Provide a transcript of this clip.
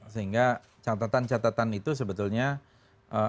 sehingga catatan catatan itu sebetulnya ee